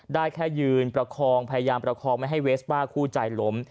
ได้แค่ยืนประคองพยายามประคองไม่ให้เวสป้าคู่ใจล้ม